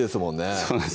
そうなんです